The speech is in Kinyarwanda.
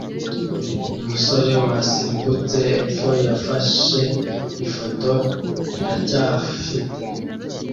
Umusore wasimbutse epfo yafashe ifoto iracyafite